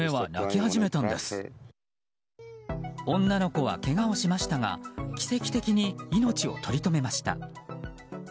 女の子はけがをしましたが奇跡的に命を取り留めました。